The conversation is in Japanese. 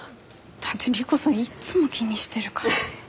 だって莉子さんいっつも気にしてるから。